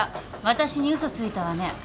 私に嘘ついたわね。